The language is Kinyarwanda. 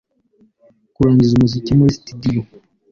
Kuringaniza umuziki muri stidio